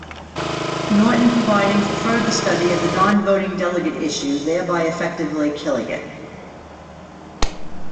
Norton providing for further study of the non-voting delegate issue, thereby effectively killing it.